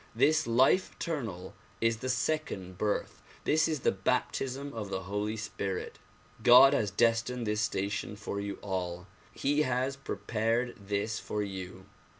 This life eternal is the second birth; this is the baptism of the Holy Spirit. God has destined this station for you all. He has prepared this for you.